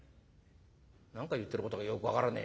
「何か言ってることがよく分からねえ。